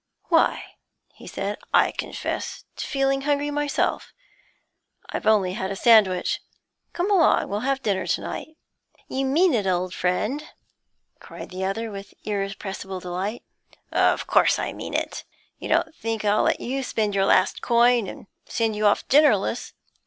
'Why,' he said, 'I confess to feeling hungry myself; I've only had a sandwich. Come along; we'll have dinner together.' 'You mean it, old friend?' cried the other, with irrepressible delight. 'Of course I mean it. You don't think I'll let you spend your last coin, and send you off dinnerless?